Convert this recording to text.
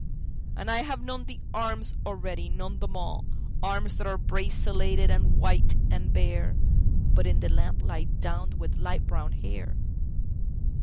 And I have known the arms already, known them all—Arms that are braceleted and white and bare(But in the lamplight, downed with light brown hair!)